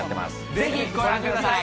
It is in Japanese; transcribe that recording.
ぜひご覧ください！